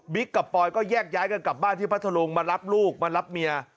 กับปอยก็แยกย้ายกันกลับบ้านที่พัทธรุงมารับลูกมารับเมีย